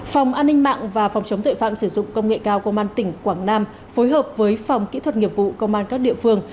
phòng an ninh mạng và phòng chống tội phạm sử dụng công nghệ cao công an tỉnh quảng nam phối hợp với phòng kỹ thuật nghiệp vụ công an các địa phương